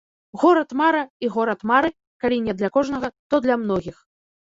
Горад-мара і горад мары калі не для кожнага, то для многіх.